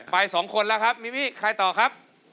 ไปสองคนแล้วครับมิมิใครต่อครับ